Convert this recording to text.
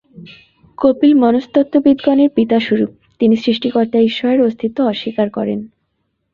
কপিল মনস্তত্ত্ববিদ্গণের পিতাস্বরূপ, তিনি সৃষ্টিকর্তা ঈশ্বরের অস্তিত্ব অস্বীকার করেন।